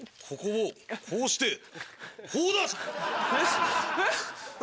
ここをこうして。